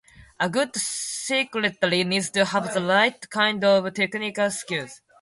A good secretary needs to have the right kind of technical skills.